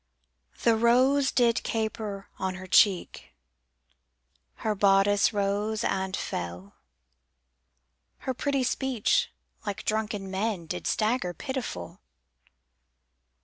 The rose did caper on her cheek, Her bodice rose and fell, Her pretty speech, like drunken men, Did stagger pitiful.